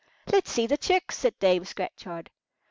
"Let's see the chicks," said Dame Scratchard.